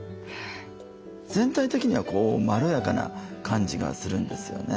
全体的にはまろやかな感じがするんですよね。